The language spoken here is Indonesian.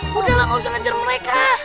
sudahlah gak usah ngejar mereka